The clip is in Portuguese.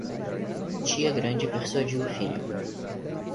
Tia grande persuadiu o filho